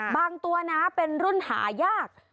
บางตัวเป็นรุ่นหายาก